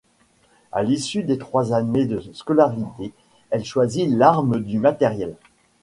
A l'issue de trois années de scolarité, elle choisit l'arme du matériel.